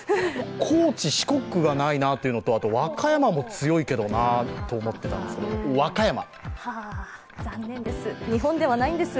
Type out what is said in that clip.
高知、四国がないなというのと、和歌山も強いけどなと思っていたんですけど、残念です、日本ではないんです。